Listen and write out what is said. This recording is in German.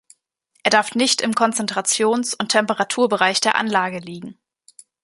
Er darf nicht im Konzentrations- und Temperaturbereich der Anlage liegen.